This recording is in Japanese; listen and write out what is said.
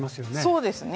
そうですね。